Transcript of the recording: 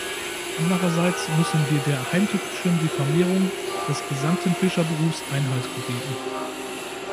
Andererseits müssen wir der heimtückischen Diffamierung des gesamten Fischerberufs Einhalt gebieten.